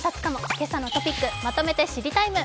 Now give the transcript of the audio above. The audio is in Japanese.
「けさのトピックまとめて知りＴＩＭＥ，」